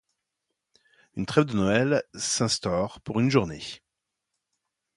Une trêve de Noël s'instaure, pour une journée.